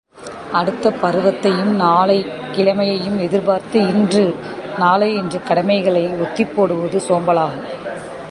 அடுத்து பருவத்தையும் நாளையும் கிழமையையும் எதிர்பார்த்து இன்று நாளை என்று கடமைகளை ஒத்திப்போடுவது சோம்பலாகும்.